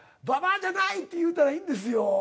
「ババアじゃない」って言ったらいいんですよ。